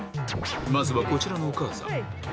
まずはこちらのお母さん。